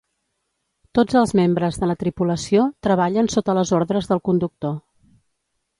Tots els membres de la tripulació treballen sota les ordres del conductor.